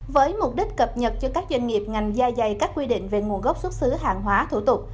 với mục đích cập nhật cho các doanh nghiệp ngành gia dày các quy định về nguồn gốc xuất xứ hàng hóa thủ tục